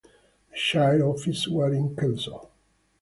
The shire offices were in Kelso.